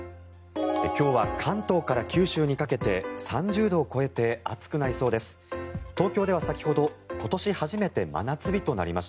今日は関東から九州にかけて３０度を超えて暑くなりそうです。